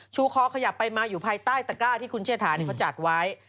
คอขยับไปมาอยู่ภายใต้ตะกร้าที่คุณเชษฐาเขาจัดไว้